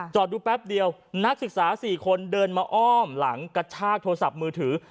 ดูแป๊บเดียวนักศึกษา๔คนเดินมาอ้อมหลังกระชากโทรศัพท์มือถือ